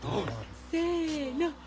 せの。